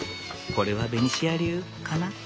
これはベニシア流かな。